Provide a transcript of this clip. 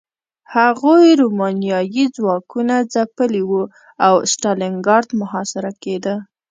هغوی رومانیايي ځواکونه ځپلي وو او ستالینګراډ محاصره کېده